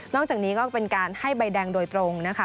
จากนี้ก็เป็นการให้ใบแดงโดยตรงนะคะ